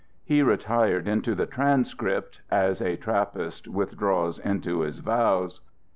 He retired into the Transcript as a Trappist withdraws into his vows.